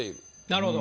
なるほど。